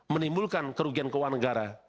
menimbulkan kerugian keuangan negara